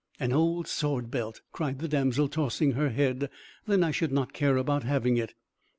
"An old sword belt!" cried the damsel, tossing her head. "Then I should not care about having it!"